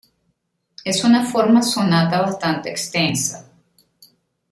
Es una forma sonata bastante extensa.